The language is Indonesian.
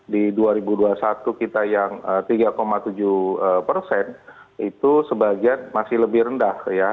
di dua ribu dua puluh satu kita yang tiga tujuh persen itu sebagian masih lebih rendah ya